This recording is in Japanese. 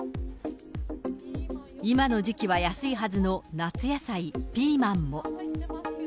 今の時期は安いはずの夏野菜、ピーマンも。